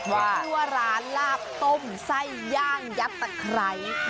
ชื่อว่าร้านลาบต้มไส้ย่างยัดตะไคร้